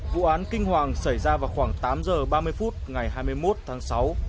vụ án kinh hoàng xảy ra vào khoảng tám giờ ba mươi phút ngày hai mươi một tháng sáu